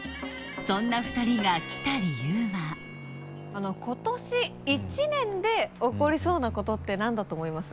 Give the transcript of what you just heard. そんな２人が来た理由は今年１年で起こりそうなことって何だと思います？